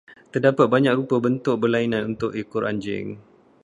Terdapat banyak rupa bentuk berlainan untuk ekor anjing.